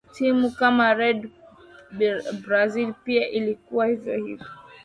timu kama red berates pia ilikuwa hivyo hivyo